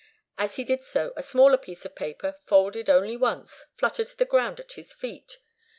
As he did so, a smaller piece of paper, folded only once, fluttered to the ground at his feet.